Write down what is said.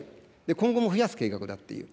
今後も増やす計画だっていう。